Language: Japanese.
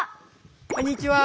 こんにちは！